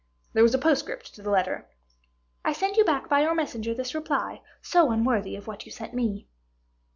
There was a postscript to the letter: "I send you back by your messenger this reply, so unworthy of what you sent me."